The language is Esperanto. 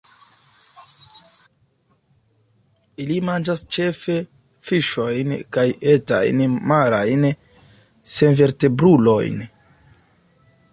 Ili manĝas ĉefe fiŝojn kaj etajn marajn senvertebrulojn.